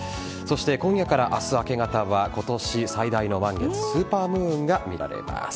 今夜から明日明け方は今年最大の満月スーパームーンが見られます。